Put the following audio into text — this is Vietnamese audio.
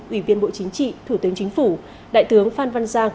ủy viên bộ chính trị thủ tướng chính phủ đại tướng phan văn giang